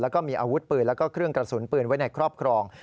แล้วก็มีอาวุธปืนแล้วก็เครื่องกระสุนปืนไว้ในครอบครอง